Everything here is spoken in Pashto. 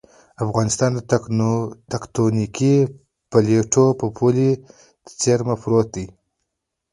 افغانستان تکتونیکي پلیټو پولې ته څېرمه پروت دی